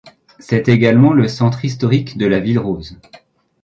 C'est également le centre historique de la ville rose.